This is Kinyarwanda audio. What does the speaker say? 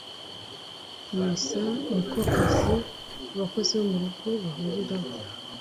kumesa niko kazi abakozi bo mu rugo bahuriraho